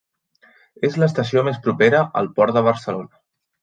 És l'estació més propera al Port de Barcelona.